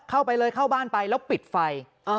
เข้าไปเลยเข้าบ้านไปแล้วปิดไฟ